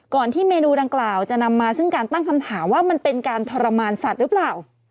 ที่เมนูดังกล่าวจะนำมาซึ่งการตั้งคำถามว่ามันเป็นการทรมานสัตว์หรือเปล่า